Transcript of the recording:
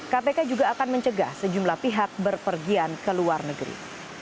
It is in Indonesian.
kpk juga akan mencegah sejumlah pihak berpergian ke luar negeri